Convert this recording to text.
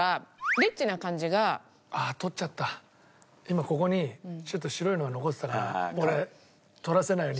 今ここにちょっと白いのが残ってたから俺取らせないように。